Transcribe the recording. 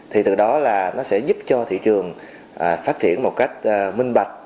thì từ đó là nó sẽ giúp cho thị trường phát triển một cách minh bạch